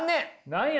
何や。